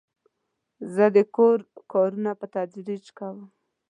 زه د کور کارونه په تدریج کوم.